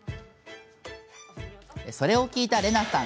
それを聞いたレナさん